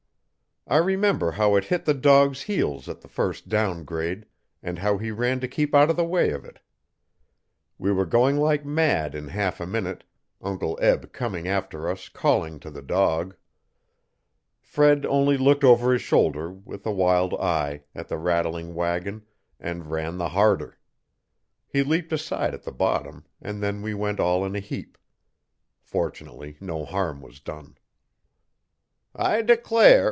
I remember how it hit the dog's heels at the first down grade, and how he ran to keep out of the way of it We were going like mad in half a minute, Uncle Eb coming after us calling to the dog. Fred only looked over his shoulder, with a wild eye, at the rattling wagon and ran the harder. He leaped aside at the bottom and then we went all in a heap. Fortunately no harm was done. 'I declare!'